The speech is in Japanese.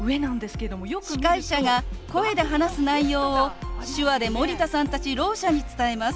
司会者が声で話す内容を手話で森田さんたちろう者に伝えます。